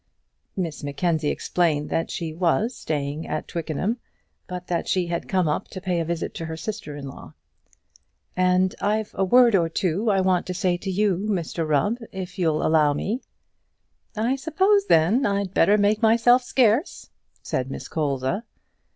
Miss Mackenzie explained that she was staying at Twickenham, but that she had come up to pay a visit to her sister in law. "And I've a word or two I want to say to you, Mr Rubb, if you'll allow me." "I suppose, then, I'd better make myself scarce," said Miss Colza.